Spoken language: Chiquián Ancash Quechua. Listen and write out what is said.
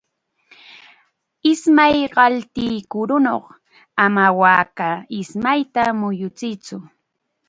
Ismay qaltiq kurunaw ama waaka ismayta muyuchiytsu.